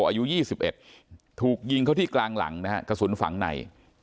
อายุ๒๑ถูกยิงเขาที่กลางหลังนะฮะกระสุนฝังใน